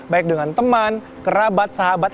baik dengan teman kerabat sahabat